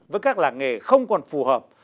với các làng nghề không còn phù hợp